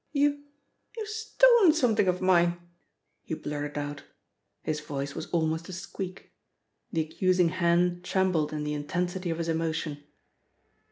"You you have stolen something of mine," he blurted out. His voice was almost a squeak. The accusing hand trembled in the intensity of his emotion.